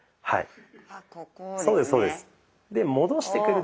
はい。